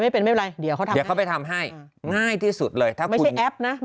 เมื่อวานเนี้ยลืม